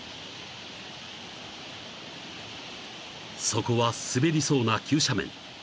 ［そこは滑りそうな急斜面］